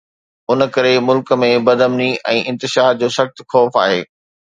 ان ڪري ملڪ ۾ بدامني ۽ انتشار جو سخت خوف آهي